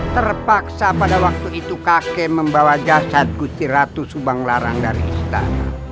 terpaksa pada waktu itu kakek membawa jasad kuciratu subanglarang dari istana